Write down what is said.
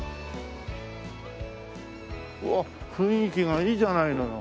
うわっ雰囲気がいいじゃないのよ。